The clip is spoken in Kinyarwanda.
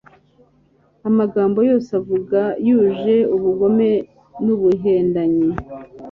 amagambo yose avuga yuje ubugome n'ubuhendanyi